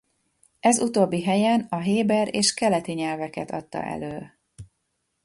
Ez utóbbi helyen a héber és keleti nyelveket adta elő.